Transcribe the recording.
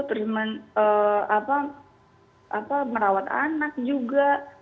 terus merawat anak juga